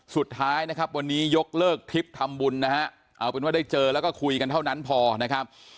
สุดท้ายนะครับวันนี้ยกเลิกทริปทำบุญนะฮะเอาเป็นว่าได้เจอแล้วก็คุยกันเท่านั้นพอนะครับ